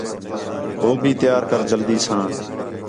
ہو بھی تیار کر جلدی ساں